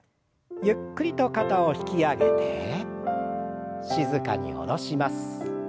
ゆっくりと肩を引き上げて静かに下ろします。